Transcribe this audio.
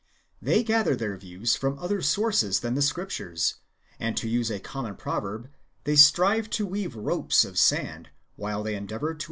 They gather their views from other sources than the Scriptures ;^ and, to use a common proverb, they strive to weave ropes of sand, while they endeavour to 1 Matt.